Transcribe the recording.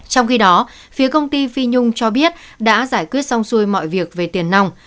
trong khi đó phía công ty phi nhung cho biết đã giải quyết xong xuôi mọi việc về tiền nòng